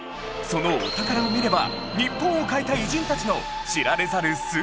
そのお宝を見れば日本を変えた偉人たちの知られざる素顔がわかります